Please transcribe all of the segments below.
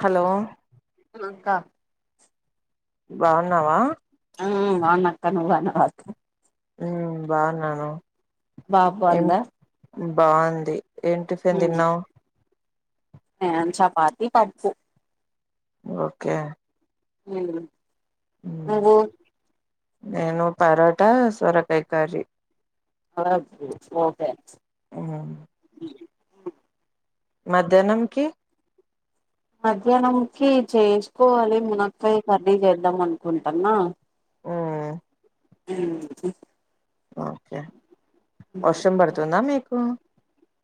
Hello hello క బాన్నావా హ్మ్ అవునక్క నువ్ బన్నావా ఉమ్ బాగున్నాను బాబు బాందా బావుంది ఏం టిఫిన్ తిన్నావ్ నేన్ చపాతి పప్పు ఓకే మ్మ్ అగో నేను పరాట సొరకై కర్రీ పాపు ఓకే ఉ మధ్యాహ్నంకి మధ్యాహ్నంకి చేసుకోవాలి మునక్కాయ్ కర్రీ చేద్దాం అనుకుంటాన్నా ఊ ఉహు ఓకే వర్షం పడుతుందా మీకు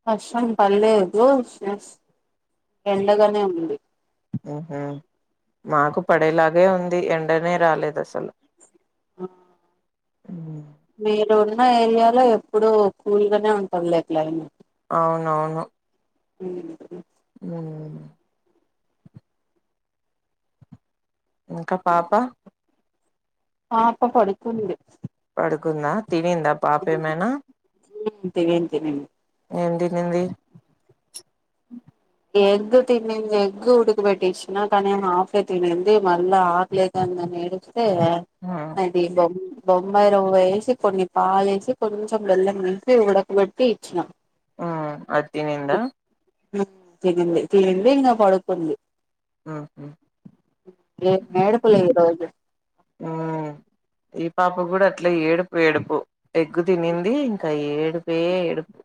వర్షం పల్లేదు ఎండగానే ఉంది ఉహూ మాకు పడేలాగే ఉంది ఎండనే రాలేద్ అసలు ఆ హ్మ్ మీరు ఉన్న ఏరియాలో ఎప్పుడు కూల్గానే ఉంటదిలే క్లైమేట్ అవునవును ఉ ఊ ఇంకా పాప పాప పడుకుంది పడుకుందా తినిందా పాప ఏమైనా ఉ తినింది తినింది ఏం తినింది ఎగ్ తినింది ఎగ్ ఉడుక పెట్టిచ్చిన కానీ హాఫే తినింది మళ్ళా ఆఫ్ వందనీ ఏడుస్తే ఆ అది బొమ్ బొంబాయి రవ్వ వేసి కొన్ని పాలేసి కొంచెం బెల్లం కలిపి ఉడకబెట్టి ఇచ్చినా ఆ అది తినిందా తినింది తినింది ఇంకా పడుకుంది ఆహా ఏం ఏడ్పులే ఈరోజు ఉ ఈ పాప కూడా అట్లే ఏడుపు ఏడుపు ఎగ్గు తినింది ఇంకా ఏడుపే ఏడుపు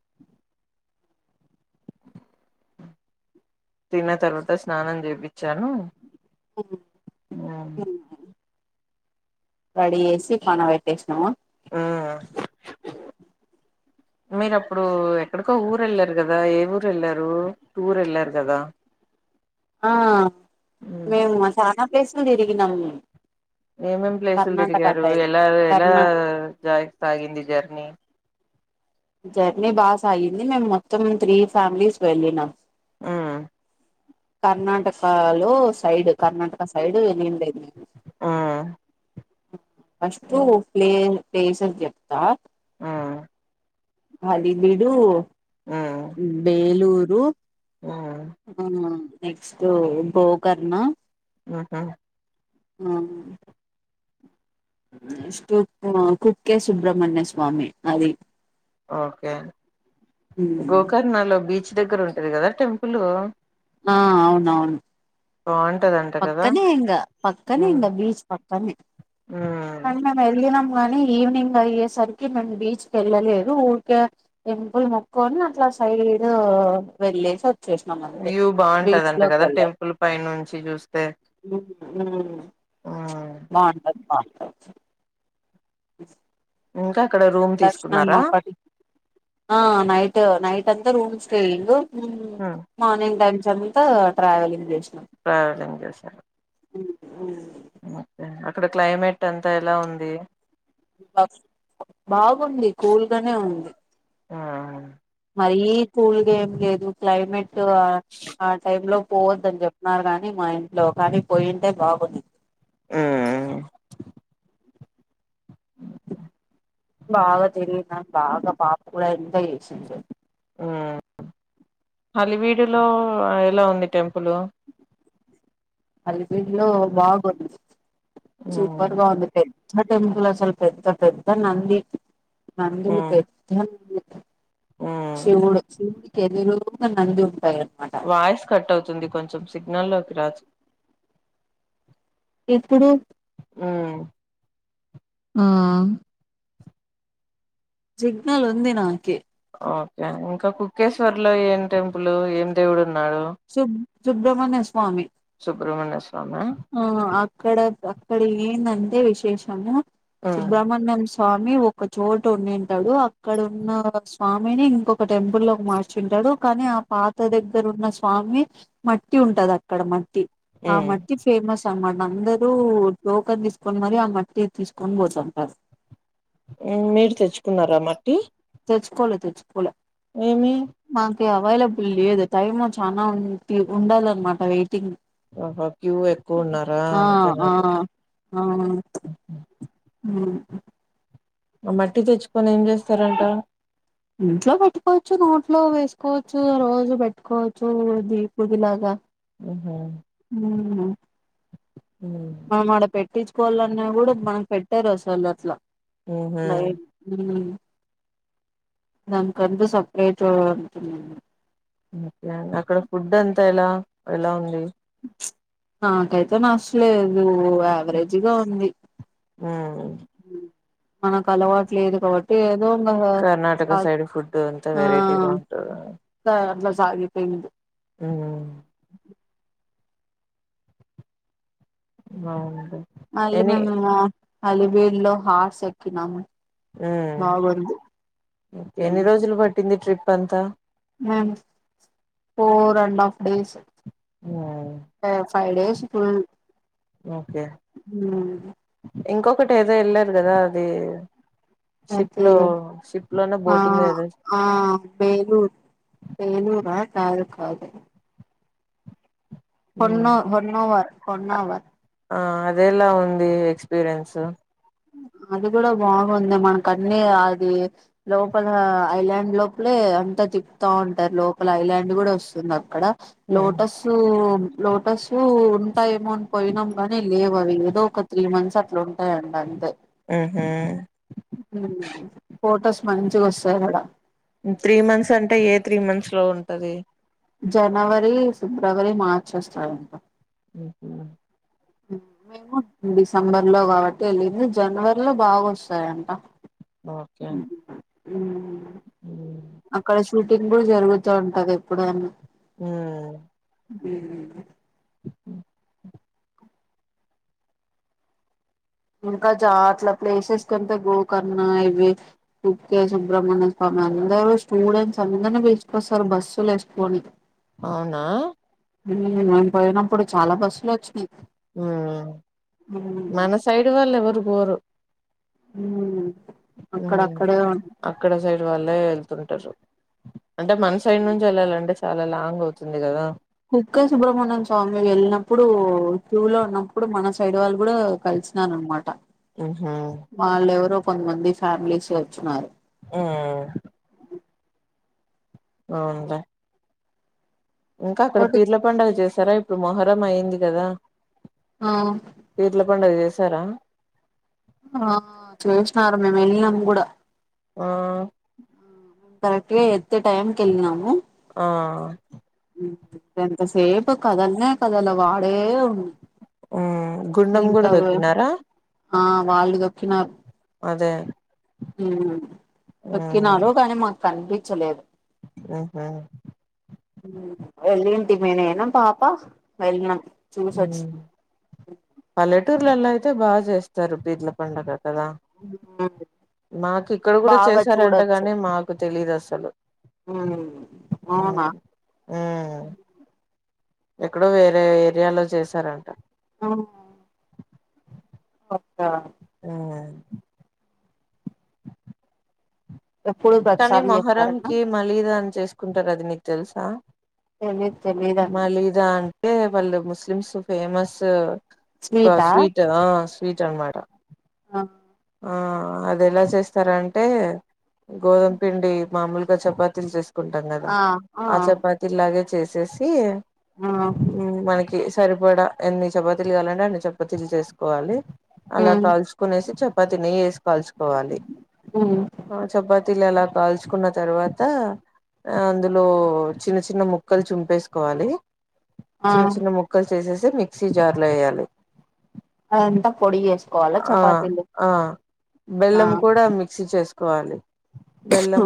తిన్న తర్వాత స్నానం చేపించాను ఉ రెడీ చేేసి పండ పెట్టేసినావా ఆ మీరు అప్పుడు ఎక్కడికో ఊరు వెళ్ళారు కదా ఏ ఊరు వెళ్లారు టూర్ ఎళ్ళారు కదా ఆ ఉమ్ మేము చానా ప్లేసులు తిరిగినమ్ ఏమేం ప్లేసులు తిరిగారు ఎలా ఎలా కర్ణా జా సాగింది జర్నీ జర్నీ బాగా సాగింది మేము మొత్తం త్రీ ఫ్యామిలీస్ వెళ్ళినం ఉమ్ కర్ణాటకలో సైడు కర్ణాటక సైడ్ ఎల్లి ఉండే ఉమ్ ఫస్ట్ ప్లే నేను ప్లేసులు చెప్తా ఆ హాలిబీడు ఉమ్ బేలూరు ఉమ్ ఆ నెక్స్ట్ గోకర్ణ ఆహ ఆ కుక్కే సుబ్రహ్మణ్యస్వామి అది ఓకే గోకర్ణలో బీచ్ దగ్గర ఉంటాది కదా టెంపులు ఆ అవునవును బావుంటాద పక్కనే ఇంగా పక్కనే ఇంగా బీచ్ పక్కనే ఉమ్ అం మేము వెళ్ళినాం గానీ ఈవినింగ్ అయ్యేసరికి మేము బీచ్కి వెళ్ళలేదు ఊరికే టెంపుల్ మొక్కొని అట్లా సైడ్ వెళ్లేేసి వ చేసినాం అంతే వీట్స్ లోకి వెళ్ళాలి ఉలిపాయ నుంచి చూస్తే ఉ ఉమ్ బావుంటాది బాంటాది ఇంకా అక్కడ రూమ్ దర్శన మా తీసుకున్నారా పడి ఆ నైట్ నైట్ అంతా రూమ్స్ కెళ్లిండు హ్మ్మ్ ఉమ్ మార్నింగ్ టైమ్స్ అంతా ట్రావెలింగ్ చేసినం ప్రయోగం చేసినారు ఉ ఓకే అక్కడ క్లైమేట్ అంతా ఎలా ఉంది బాగుంది కూల్గానే ఉంది ఆ మరీ కూల్గా ఏం లేదు క్లైమేట్ ఆ ఆ టైం లో పోవద్దని చెప్తున్నారు గాని మా ఇంట్లో కానీ పోయింటే బాగుంది హ్మ్ బాగా తినింద బాగా పాప కూడా అంతే చేసింది హలివీడులో ఎలా ఉంది టెంపులు అలిపిరి లో బాగుంది ఉమ్ సూపర్ గా ఉంది టెంపుల్ పెద్ద టెంపుల్ అసలు పెద్ద పెద్ద నంది నందులు ఉమ్ పెద్ద న్ ఉమ్ శివుడు శివుడికి ఎదురుంగా నంది ఉంటాయం వాయిస్ కట్ అవుతుంది కొంచెం సిగ్నల్లోకి రాజ్ ఇప్పుడు హ్మ్ హ్మ్మ్ సిగ్నల్ ఉంది నాకే ఓకే ఇంకా కుక్కేశ్వర్ లో ఏం టెంపులు ఏం దేవుడు ఉన్నాడు సుబ్ సుబ్రమణ్య స్వామి సుబ్రహ్మణ్య స్వామి ఆ అక్కడ అక్కడ ఏందంటే విశేషము ఉమ్ సుబ్రహ్మణ్యం స స్వామి ఒక చోటు ఉండివుంటాడు అక్కడ ఉన్న స్వామిని ఇంకొక టెంపుల్ లోకి మార్చ చింటడు కానీ ఆ పాత దగ్గర ఉన్న స స్వామి మట్టి ఉంటది అక్కడ మట్టి ఆ ఉమ్ మట్టి ఫేమస్ అన్ మన్ అందరు టోకెన్ తీసుకొని మరి ఆ మట్టి తీసుకొని పోతుంటారు మీరు తెచ్చుకున్నారా మట్టి తెచ్చుకోలే తెచ్చుకోలే ఏమి మాకు అవైలబుల్ లేదు టైమ్ చనా ఉ ఉండాలన్నమాట వెయిటింగ్ ఆహా క్యూ ఎక్కువ ఉన్నారా ఆ ఆ జనాలు అవును ఉమ్ అ మట్టి తెచ్చుకొని ఏం చేస్తారంట ఇంట్లో పెట్టుకోవచ్చు నోట్లో వేసుకోవచ్చు రోజు పెట్టుకోవచ్చు విబూదిలాగా ఉహు ఉహ్మ్ ఉ మనం ఆడ పెట్టించుకోవాలన్న కూడా మనం పెట్టరు అసలు అట్లా ఉహు ఉ దానికంటూ సపరేట్ ఉంటుందండి ఓకే అక్కడ ఫుడ్ అంతా ఎల ఎలా ఉంది చ్ ఆ నచ్చ లేదు యావరేజ్గా ఉంది ఉమ్ మనకు అలవాటు లేదు కాబట్టి ఏదో ఉంగా కర్ణాటక సైడ్ ఫుడ్ అంతా ఆ వెరైటీగా ఉంటదా త అట్లా సాగిపోయింది ఆహా బాగుంది మళ్ళీ ఎన్ని మేము అలివీర్ లో హార్స్ ఎక్కినాము బాగుంది ఉ ఎన్ని రోజులు పట్టింది ట్రిప్ అంతా ఉహ్మ్ ఫోర్ అండ్ హఫ్ డేస్ ఉ ఫైవ్ డేస్ ఓకే ఉహ్మ్ ఇంకొకటి ఏదో ఎళ్ళారు గదా అది షిప్ లో అయితే షిప్ లోనే ఆ బోటింగ్ ఏదో ఆ బేలూరు బేలూరా కాదు కాదు ఉమ్ కొన్నో హోన్నోవర్ కొన్నోవర్ ఆ అదేలా ఉంది ఎక్స్పీరియన్సు అది గుడా బాగుంది మనకు అన్నీ అది లోపల ఐలాండ్ లోపలే అంతా తిప్తా ఉంటరు లోపల ఐలాండ్ కూడా వస్తుంది అక్కడ హ్మ్ లోటస్ లోటస్ ఉంటాయమో అని పోయినాం గానీ లేవు అవి ఏదో త్రీ మంత్స్ అట్లా ఉంటాయంట అంతే ఉహూ ఉ ఫొటోస్ మంచిగా వస్తాయి అడ త్రీ మంత్స్ అంటే ఏ త్రీ మంత్స్ లో ఉంటది జనవరి ఫిబ్రవరి మార్చి వస్తాయంట ఉహు మేము డిసెంబర్ లో కాబట్టి వెళ్ళింది జనవరి లో బాగా వస్తాయంట ఓకే ఉమ్ అక్కడ షూటింగ్ గుడా జరుగుతా ఉంటది ఎప్పుడైన ఉ ఉహు ఉ ఇంకా చా అట్ల ప్లేసెస్ కంటే గోకర్ణ ఇవి కుకే సుబ్రహ్మణ్య స్వామి అందరు స్టూడెంట్స్ అందరినీ పిలుచుకొస్తారు బస్సులు ఎసుకొని అవునా ఉహ్మ్ మేం పోయినప్పుడు చాలా బస్సులు వచ్చినయి ఉ మన సైడ్ వాళ్ళు ఎవరు పోరు ఉ ఉమ్ అక్కడక్కడే అక్కడ సైడ్ వాళ్ళే వెళ్తుంటారు అంటే మన సైడ్ నుంచి వెళ్ళాలంటే చాలా లాంగ్ అవుతుంది కదా కుకే సుబ్రహమణ్యం స్వామి వెళ్ళినప్పుడు ట్యూ లో ఉన్నప్పుడు మన సైడ్ వాళ్ళు కూడా కలిసి అన్నమాట ఆహా వాళ్ళు ఎవరో కొంతమంది ఫ్యామిలీస్ వచ్చిన్నారు ఉమ్మ్ అవునులే ఇంకా అక్కడ బట్ పీర్ల పడుగ చేసారా ఇప్పుడు మొహరం అయ్యింది కదా ఆ పీర్ల పండుగ చేశారా ఆ చేసినారు మేము వెళ్ళినాం కూడా ఆ కరెక్ట్గా ఎత్తే టైంకి వెళ్ళినాము ఆ ఎంత సేపు కథల్ని కదల అవి ఆడే ఉ ఉమ్మ్ గుండం కూడా తొక్కినారా ఆ వాళ్ళు తొక్కినారు అదే ఉమ్మ్ హ్మ్ తక్కినారు కానీ మాకు కనిపించలేదు ఉహు వెళ్ళంటి ఇంగ నేను పాప వెళ్ళినం చూసి హ్మ్ వచ్చినం పల్లెటూర్లలో అయితే బాగా చేస్తారు పీర్ల పండగ కదా [inaudible] మాకు ఇక్కడ కూడా బాగా చూడొచ్చు చేసారంటగాని మాకు తెలీదు అసలు ఉమ్మ్ అవునా ఉమ్మ్ ఎక్కడో వేరే ఏరియాలో చేసారంట ఆ పక్క ఆ ఎప్పుడు కానీ ప్రతిసారి మొహరం చేస్తారన్నా కి మలీదా అని చేసుకుంటారు అది నీకు తెలుసా తెలీదు తెలీదండి మలీ దా అంటే వాళ్ళు ముస్లిమ్స్ ఫేమస్ ఒక స్వీటా స్వీట్ ఆ స్వీట్ అన్నమాట ఆ ఆ అది ఎలా చేస్తారు అంటే గోధుమ పిండి మామూలుగా చపాతీలు చేస్త కుంటాం కదా ఆ చపాతి ఇలాగే చేసేసి ఉమ్మ్ మనకి సరిపడా ఎన్ని చపాతీలు కావాలంటే అన్ని చపాతీలు చేసుకోవాలి అలా ఉమ్ కాల్చుకునేసి చ తిని నెయ్యి వేసి కాల్చుకోవాలి ఉమ్ ఆ చపాతీలు అలా కాల్చుకున్న తర్వాత అందులో చిన్న చిన్న ముక్కలు చుంపేసుకోవాలి ఆ చిన్న చిన్న ముక్కలు చేసేసి మిక్సీ జార్లో వేయాలి అదంతా పొడి వేసుకోవాలా ఆ చపాతీలు ఆ ఆ బెల్లం కూడా మిక్సీ చేసుకోవాలి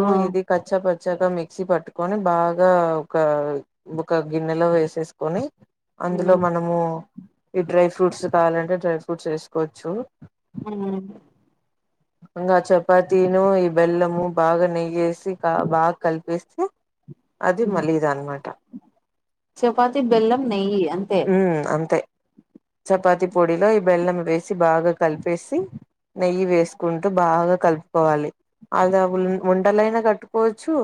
ఆ ఇది కచ్చ పచ్చగా మిక్సీ పట్టుకొని బాగా ఒక ఒక గిన్నెలో వేసేసు కొని అందులో ఉమ్ మనము ఈ డ్రై ఫ్రూట్స్ కావాలంటే డ్రై ఫ్రూట్స్ వేసుకోవచ్చు ఉమ్ ఇంకా చపాతీను ఈ బెల్లము బాగా నెయ్యేసి క బా కలిపేస్తె ఆ అది ఉమ్ మలీద అన్మాట చపాతి బెల్లం నెయ్యి అంతే హ్మ్ అంత్ చపాతి పొడిలో ఈ బెల్లం వేసి బాగా కలిపేసి నెయ్యి వేసుకుంటూ బాగా కలుపుకోవాలి అలా వున్ వుండలయినా పోచ్చు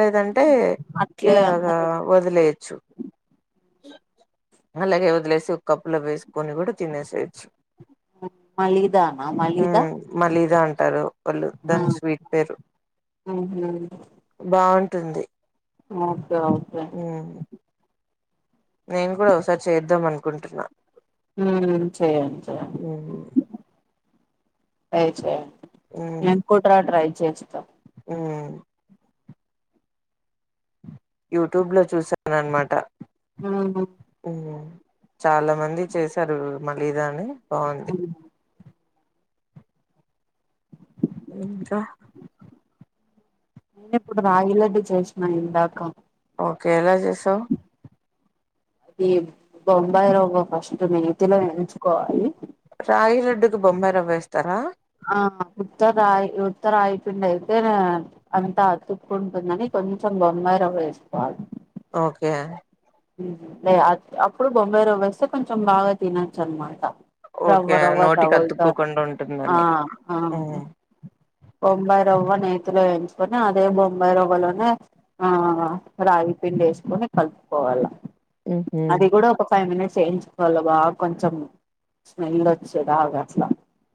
లేదంటే అట్లే ఇలాగా అన్నది వదిలేయచ్చు అలాగే వదిలేసి ఒక కప్పులో వేసుకొని కూడా తినేసేయొచ్చు మలిదానా మలిదా హ్మ్ మలీదా అంటారు వాళ్ళు దాన్ స్వీట్ పేరు ఉహు బాగుంటుంది [inaudible] మేం కూడా ఒకసారి చేద్దాం అనుకుంటున్నా హ్మ్ చెయండి చేయండి హ్మ్ ట్రై చేయండి నేన్ కూడా ట్రై చేస్ ఒ యూట్యూబ్ లో చూసానన్మాట హ్మ్ హు ఒ చాలా మంది చేశారు మళీదా అని బాగున్ అ [inaudible] నేన్ ఇప్పుడు రాగిలడ్డి చేస్నా ఇందాక ఓకే ఎలా చేస్నవ్ అది బొంబాయి రవ్వ ఫస్ట్ నేతిలో ఎంచుకోవాలి రాగి లడ్డుకి బొంబయి రవ్వేస్తారా ఆ ఉత్తరాయ్ ఉత్త రాయ్ పిండి అయితే అంతా అతుక్కుంటుందని కొంచెం బొమ్బాయ్ రవ్వ వేస్తా ఓకే అప్పుడు బొంబై రవెస్తే కొంచెం బాగా తినొచ్చు అన్మాట ఓకే. రవ్వ రవ్వ నోటికి తగులుతావున్ అతుక్కోకుండా ఆ ఉంటుందని. ఆ హ్మ్. బొంబాయి రవ్వ నేతిలో వేయించుకొని అదే బొంబాయి రవ్వలోనే ఆ రాగి పిండి యెస్కొని కలుపుకోవాల హుహు. అది కూడా ఒక్ ఫైవ్ మినిట్స్ వేయించుకోవాల బా కొంచెం స్మెల్ వచ్చేదాగా అట్లా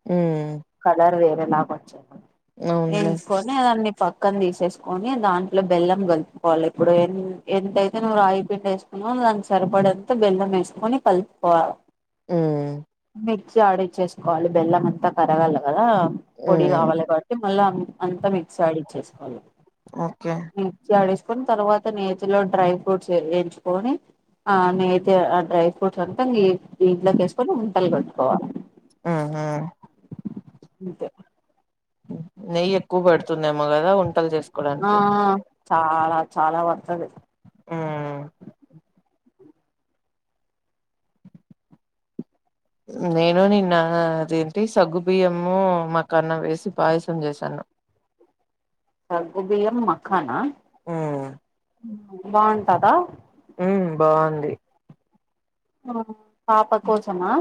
హ్మ్ కలర్ వేరేలాగా వచేను అవునులే. ఏమ్స్ కొని అన్ని పక్కన తీసేసుకొని దాంట్లో బెల్లం కలుపుకోవాలి ఇప్పుడు ఎ ఎంతైతే నువ్ పిండి వేసుకున్నావొ దానికి సరిపడేంత బెల్లం వేసుకొని కలుపుకోవాల హ్మ్ మిక్సీ ఆడిచ్చేసుకోవాలి బెల్లం అంతా కరగాలి కదా పొడి ఉమ్ కావాలి కాబట్ మళ్ళా అంతా మిక్స్ ఆడిచ్చేసుకోవాలి ఓకే మిక్సీ ఆడేసుకొని తర్వాత నేచిలో డ్రై ఫ్రూట్స్ ఎంచుకొని ఆ నే అయితే ఆ డ్రై ఫ్రూట్స్ అంతా ఇ ఇ దీంట్లకెస్కొని ఉండలు కట్టుకోవాలి హ్మ్ హు [unintelligible] నెయ్యి ఎక్కువ పడుతుందేమ్మో కదా ఉంట చేస్ ఆ చాలా చాలా వర్తది ఉమ్ నేను నిన్న అదేంటి సగ్గు బియ్యము మాకాన్న వేసి పాయసం చేశాను ఆ సగ్గుబియ్యం మఖానా ఉమ్ బాగుంటుందా ఉమ్ బాగుంది ఆ పాప కోసమా